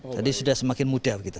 jadi sudah semakin muda begitu